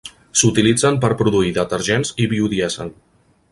S'utilitzen per produir detergents i biodièsel.